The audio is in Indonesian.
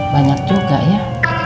banyak juga ya